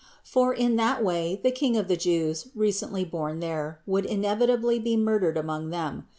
For in that way the King of the Jews, recently born there, would in evitably be murdered among them.